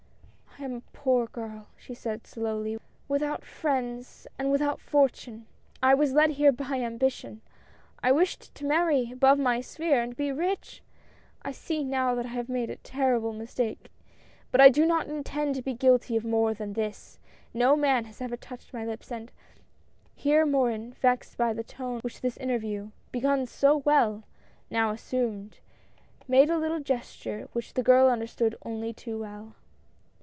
" I am a poor girl," she said, slowly, "without friends and without fortune; I was led here by ambition; I wished to marry above my sphere, and to be rich ; I see now that I have made a terrible mistake. But I do not intend to be guilty of more than this. No man has ever touched my lips, and " Here, Morin, vexed by the tone which this interview — begun so well — now assumed, made a little gesture which the girl understood only too well.